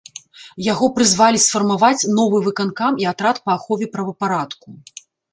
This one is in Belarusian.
Яго прызвалі сфармаваць новы выканкам і атрад па ахове правапарадку.